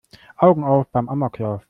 Augen auf beim Amoklauf!